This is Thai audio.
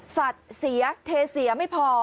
สัตว์เสียเทเสียไม่พอ